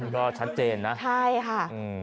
ก็ชัดเจนนะใช่ค่ะ